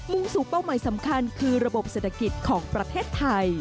งสู่เป้าหมายสำคัญคือระบบเศรษฐกิจของประเทศไทย